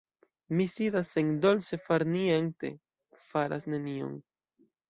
Mi sidas en dolce farniente, faras nenion.